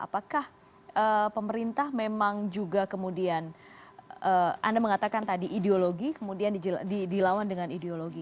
apakah pemerintah memang juga kemudian anda mengatakan tadi ideologi kemudian dilawan dengan ideologi